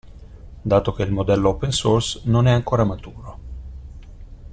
Dato che il modello open source non è ancora maturo.